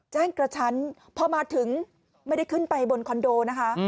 กระชั้นพอมาถึงไม่ได้ขึ้นไปบนคอนโดนะคะ